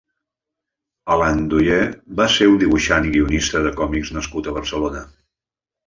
Alan Doyer va ser un dibuixant i guionista, de còmics nascut a Barcelona.